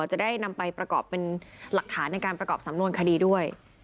จะได้นำไปประกอบเป็นหลักฐานในการประกอบสำนวนคดีด้วย